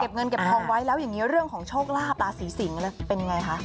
เงินเก็บทองไว้แล้วอย่างนี้เรื่องของโชคลาภราศีสิงศ์เป็นไงคะ